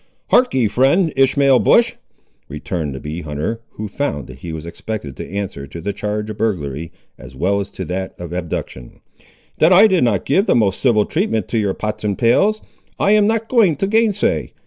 "Harkee, friend Ishmael Bush," returned the bee hunter, who found that he was expected to answer to the charge of burglary, as well as to that of abduction; "that I did not give the most civil treatment to your pots and pails, I am not going to gainsay.